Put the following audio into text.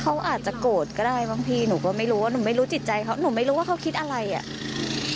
เขาอาจจะโกรธก็ได้บางทีหนูก็ไม่รู้ว่าหนูไม่รู้จิตใจเขาหนูไม่รู้ว่าเขาคิดอะไรอ่ะ